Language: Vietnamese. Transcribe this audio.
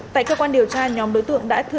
tại cơ quan điều tra nhóm đối tượng đã thừa